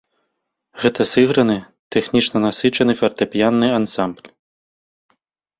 Гэта сыграны, тэхнічна насычаны фартэпіянны ансамбль.